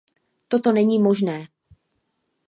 Toto není možné.